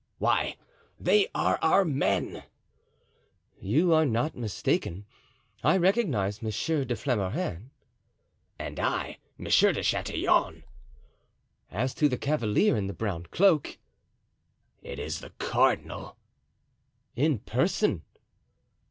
"Why, they are our men." "You are not mistaken; I recognize Monsieur de Flamarens." "And I, Monsieur de Chatillon." "As to the cavalier in the brown cloak——" "It is the cardinal." "In person."